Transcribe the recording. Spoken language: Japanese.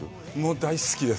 大好きです。